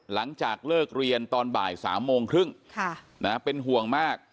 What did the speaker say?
หลังจากเลิกเรียนตอนบ่าย๓โมงครึ่งเป็นห่วงมาก